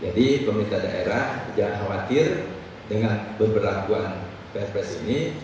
jadi pemerintah daerah jangan khawatir dengan berperlakuan psps ini